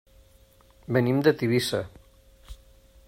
Venim de Tivissa.